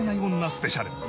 スペシャル。